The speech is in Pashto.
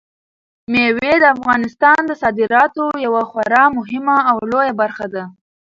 مېوې د افغانستان د صادراتو یوه خورا مهمه او لویه برخه ده.